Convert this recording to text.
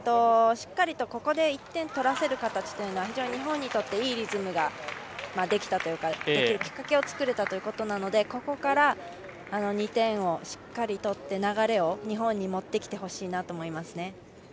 しっかりとここで１点取らせる形というのは非常に日本にとっていいきっかけを作れたということなのでここから２点をしっかり取って流れを日本に持ってきてほしいなと思います。